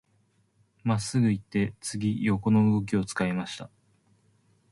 真っすぐ行って、次、横の動きを使いました。